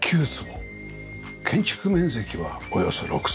建築面積はおよそ６坪。